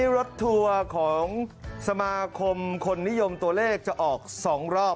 รถทัวร์ของสมาคมคนนิยมตัวเลขจะออก๒รอบ